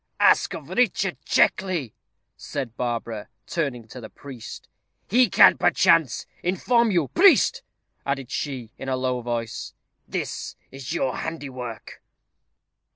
"Ask of Richard Checkley," said Barbara, turning to the priest. "He can, perchance, inform you. Priest," added she, in a low voice, "this is your handiwork."